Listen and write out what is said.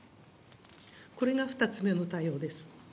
これが２つ目の対応です。